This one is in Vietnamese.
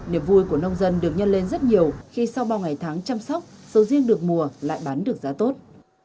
niềm vui của nông dân được nhân lên rất nhiều khi sau bao ngày tháng chăm sóc sầu riêng được mùa lại bán được giá tốt